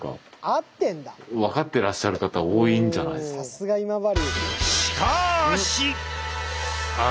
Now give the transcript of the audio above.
さすが今治！